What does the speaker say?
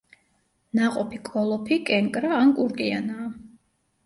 ნაყოფი კოლოფი, კენკრა ან კურკიანაა.